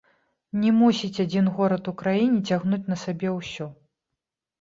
Не мусіць адзін горад у краіне цягнуць на сабе ўсё!